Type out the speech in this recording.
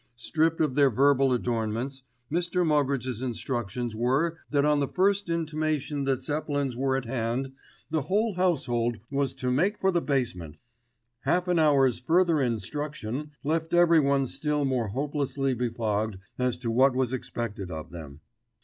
Stripped of their verbal adornments, Mr. Moggridge's instructions were that on the first intimation that Zeppelins were at hand, the whole household was to make for the basement. Half an hour's further "instruction" left everyone still more hopelessly befogged as to what was expected of them.